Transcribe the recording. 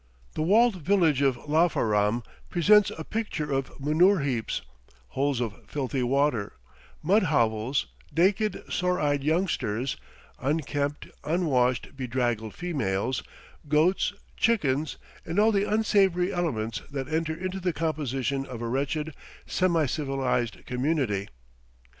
The walled village of Lafaram presents a picture of manure heaps, holes of filthy water, mud hovels, naked, sore eyed youngsters, unkempt, unwashed, bedraggled females, goats, chickens, and all the unsavory elements that enter into the composition of a wretched, semi civilized community.